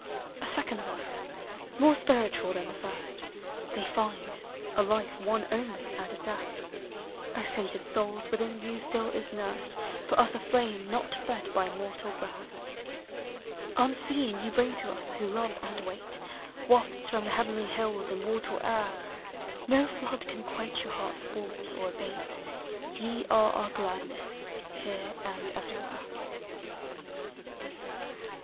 A second life, more spiritual than the first, They find, — a life won only out of death. O sainted souls, within you still is nursed For us a (lame not fed by mortal breath. Unseen, ye bring to us, who love and wait, Wafts from the heavenly hills, immortal air; No Hood can quench your hearts' warmth, or abate; Ye are our gladness, here and everywhere.